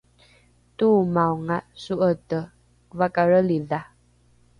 toomaonga so’ete vakarelidha